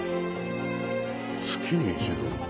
月に１度。